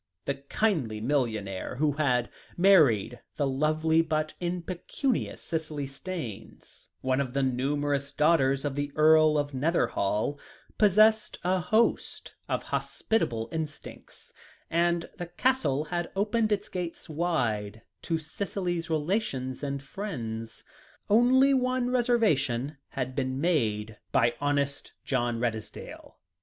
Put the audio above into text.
The kindly millionaire who had married the lovely but impecunious Cicely Staynes, one of the numerous daughters of the Earl of Netherhall, possessed a host of hospitable instincts, and the Castle had opened its gates wide to Cicely's relations and friends. Only one reservation had been made by honest John Redesdale.